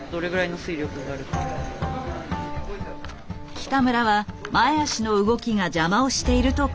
北村は前脚の動きが邪魔をしていると考えた。